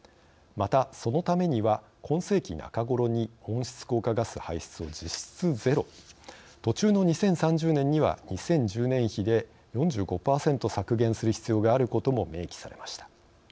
また、そのためには今世紀中頃に温室効果ガス排出を実質ゼロ途中の２０３０年には２０１０年比で４５％削減する必要があることも明記されました。